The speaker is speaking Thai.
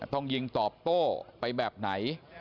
ต้องยิงตอบโต้ไปแบบไหน